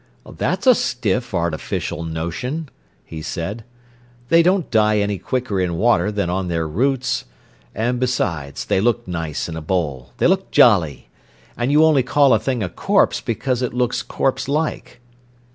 "That's a stiff, artificial notion," he said. "They don't die any quicker in water than on their roots. And besides, they look nice in a bowl—they look jolly. And you only call a thing a corpse because it looks corpse like."